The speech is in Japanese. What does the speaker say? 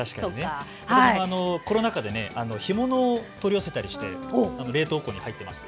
私はコロナ禍で干物を取り寄せたりして冷凍庫に入っています。